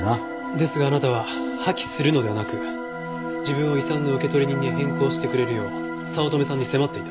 ですがあなたは破棄するのではなく自分を遺産の受取人に変更してくれるよう早乙女さんに迫っていた。